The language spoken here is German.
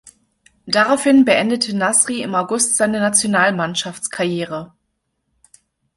Daraufhin beendete Nasri im August seine Nationalmannschaftskarriere.